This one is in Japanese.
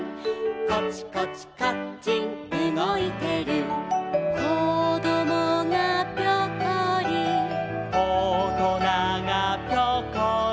「コチコチカッチンうごいてる」「こどもがピョコリ」「おとながピョコリ」